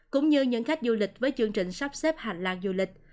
cũng như những khách du lịch với chương trình sắp xếp hành lang du lịch